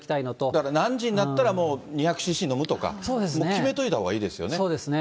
だから何時になったらもう２００ｃｃ飲むとか、もう決めといそうですね。